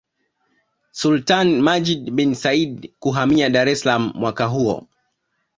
Sultani Majid bin Said kuhamia Dar es Salaam mwaka huo